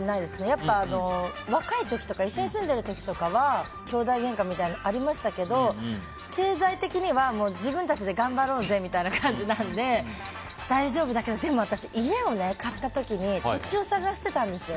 やっぱり、若い時とか一緒に住んでる時とかはきょうだいげんかみたいなありましたけど経済的には自分たちで頑張ろうぜみたいな感じなので大丈夫だけどでも私、家を買った時に土地を探してたんですよ。